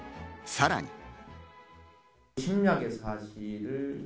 さらに。